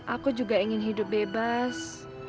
aku juga ingin hidup bebas